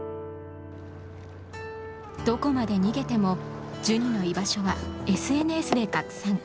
どこまで逃げてもジュニの居場所はＳＮＳで拡散。